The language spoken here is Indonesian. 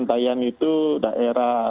tayan itu daerah